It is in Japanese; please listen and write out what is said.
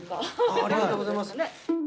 ありがとうございます。